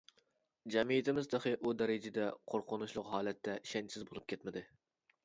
جەمئىيىتىمىز تېخى ئۇ دەرىجىدە قورقۇنچلۇق ھالەتتە ئىشەنچىسىز بولۇپ كەتمىدى.